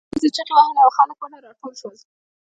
په لوړ آواز یې چغې وهلې او خلک ورنه راټول شول.